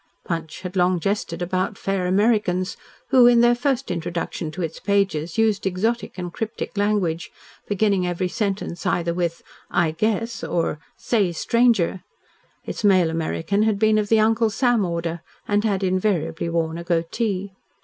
Punch had long jested about "Fair Americans," who, in their first introduction to its pages, used exotic and cryptic language, beginning every sentence either with "I guess," or "Say, Stranger"; its male American had been of the Uncle Sam order and had invariably worn a "goatee."